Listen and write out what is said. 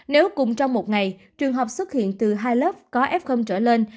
nếu cùng trong một ngày trường học xuất hiện từ hai lớp có f trở lên